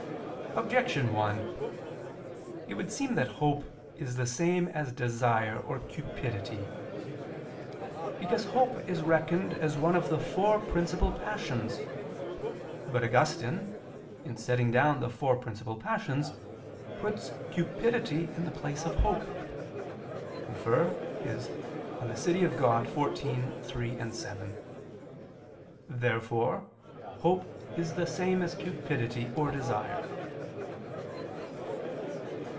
Objection 1: It would seem that hope is the same as desire or cupidity. Because hope is reckoned as one of the four principal passions. But Augustine in setting down the four principal passions puts cupidity in the place of hope (De Civ. Dei xiv, 3, 7). Therefore hope is the same as cupidity or desire.